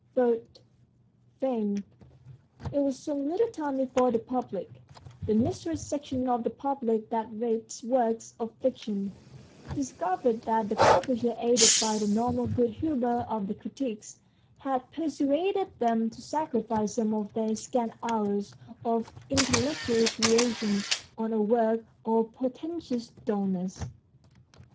IV. FAME It was some little time before the public, the mysterious section of the public that reads works of fiction, discovered that the publisher, aided by the normal good humour of the critics, had persuaded them to sacrifice some of their scant hours of intellectual recreation THE STORY OF A BOOK 139 on a work of portentous dullness.